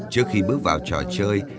trước khi bước vào trò chơi